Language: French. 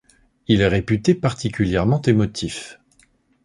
Il est réputé particulièrement émotif.